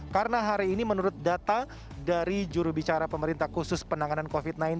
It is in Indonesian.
karena hari ini menurut data dari jurubicara pemerintah khusus penanganan covid sembilan belas